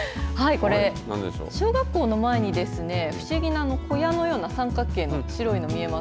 これ、小学校の前に、不思議な小屋のような三角形の白いの見えま